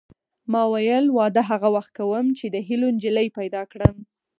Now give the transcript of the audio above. ما ویل واده هغه وخت کوم چې د هیلو نجلۍ پیدا کړم